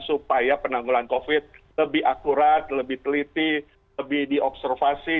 supaya penanggulan covid lebih akurat lebih teliti lebih diobservasi